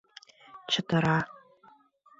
— Чытыра...